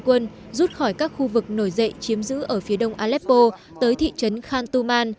quân rút khỏi các khu vực nổi dậy chiếm giữ ở phía đông aleppo tới thị trấn khantuman